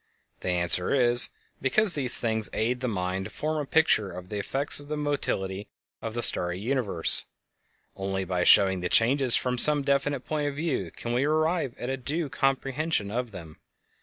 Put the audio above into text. The answer is: Because these things aid the mind to form a picture of the effects of the mobility of the starry universe. Only by showing the changes from some definite point of view can we arrive at a due comprehension of them.